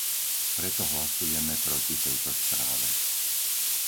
Preto hlasujeme proti tejto správe.